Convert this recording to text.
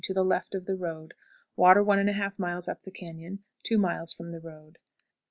To the left of the road. Water 1 1/2 miles up the canon, two miles from the road. 17.